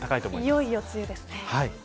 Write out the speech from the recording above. いよいよ梅雨ですね。